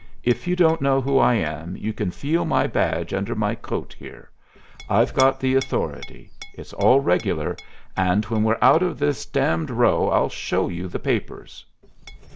If you don't know who I am, you can feel my badge under my coat there. I've got the authority. It's all regular, and when we're out of this d d row I'll show you the papers."